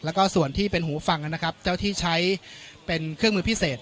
แล้วก็ส่วนที่เป็นหูฟังนะครับเจ้าที่ใช้เป็นเครื่องมือพิเศษ